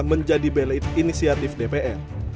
menjadi belit inisiatif dpr